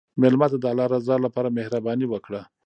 مېلمه ته د الله رضا لپاره مهرباني وکړه.